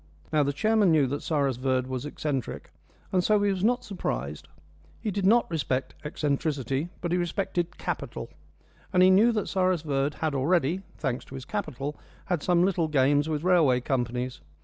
Now, the chairman knew that Cyrus Verd was eccentric, and so he was not surprised. He did not respect eccentricity. But he respected capital; and he knew that Cyrus Verd had already thanks to his capital had some little games with railway companies.